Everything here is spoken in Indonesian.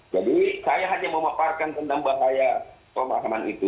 jadi saya hanya memaparkan tentang bahaya pemahaman itu